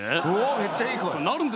めっちゃいい声。